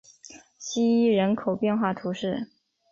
希伊人口变化图示